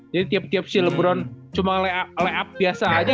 jadi tiap tiap silveron cuma layup biasa aja